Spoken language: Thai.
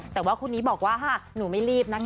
แต่ว่าคนนี้บอกว่าหนูไม่รีบนะคะ